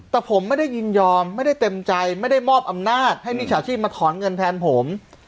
แต่ผมไม่ได้ยินยอมไม่ได้เต็มใจไม่ได้มอบอำนาจให้มิจฉาชีพมาถอนเงินแทนผม